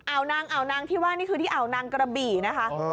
นางอ่าวนางที่ว่านี่คือที่อ่าวนางกระบี่นะคะ